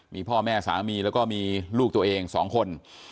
มีพ่อแม่สามีแล้วก็มีลูกตัวเอง๒คน